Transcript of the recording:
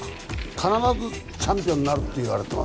必ずチャンピオンになるって言われてます。